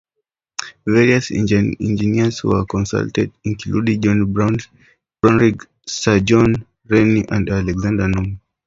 Various engineers were consulted, including John Brownrigg, Sir John Rennie and Alexander Nimmo.